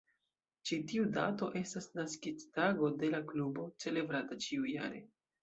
Ĉi tiu dato estas naskiĝtago de la Klubo, celebrata ĉiujare.